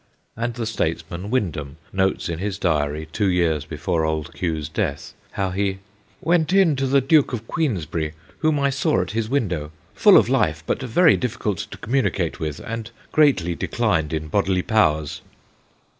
And the statesman Windham notes in his diary two years before Old Q.'s death, how he 'went 74 THE GHOSTS OF PICCADILLY in to the Duke of Queensberry, whom I saw at his window ; full of life but very difficult to communicate with, and greatly declined in bodily powers.'